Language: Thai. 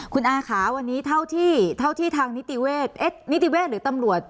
คุณอาค่ะวันนี้เท่าที่ทางนิติเวศนิติเวศหรือตำรวจ